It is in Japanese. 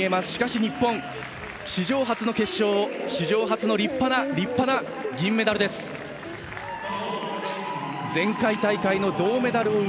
しかし日本、史上初の決勝史上初の立派な、立派な銀メダル。